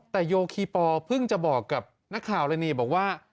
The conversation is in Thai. แต่โยคีปอลเพิ่งจะบอกกับนักข่าวเลยนี่บอกว่า